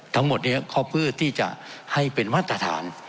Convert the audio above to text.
ทั้งหมดนี้เขาเพื่อที่จะให้เป็นมาตรฐาน